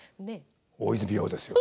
大泉洋ですよ。